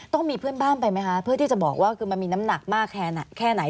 ต้องมีเพื่อนบ้านไปไหมคะเพื่อที่จะบอกว่าคือมันมีน้ำหนักมากแค่ไหนแค่ไหน